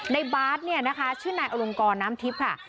ในบาร์ดเนี่ยนะคะชื่อนายอลงกรน้ำทิพย์ค่ะ